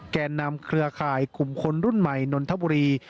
แก่นำเครือข่ายกลุ่มคนรุ่นใหม่นนทบุรี